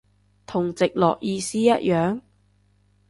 同直落意思一樣？